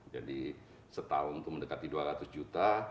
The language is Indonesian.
jadi setahun itu mendekati dua ratus juta